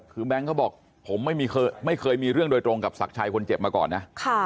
คือแบงค์เขาบอกผมไม่เคยมีเรื่องโดยตรงกับศักดิ์ชัยคนเจ็บมาก่อนนะ